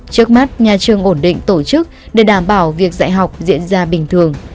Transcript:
trước mắt nhà trường ổn định tổ chức để đảm bảo việc dạy học diễn ra bình thường